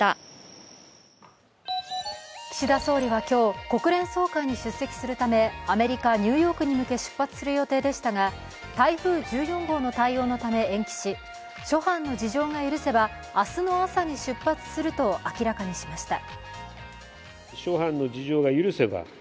岸田総理は今日、国連総会に出席するためアメリカ・ニューヨークに向け出発する予定でしたが、台風１４号の対応のため延期し諸般の事情が許せば明日の朝に出発すると明らかにしました。